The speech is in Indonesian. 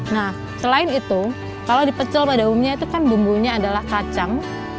nah selain itu kalau di pecel pada umumnya itu kan bumbunya adalah kacang